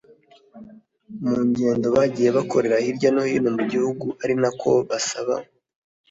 mu ngendo bagiye bakorera hirya no hino mu Gihugu ari nako basaba